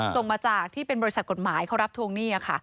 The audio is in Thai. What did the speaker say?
ส่งมาจากที่เป็นบริษัทกฎหมายเขารับทวงหนี้ค่ะ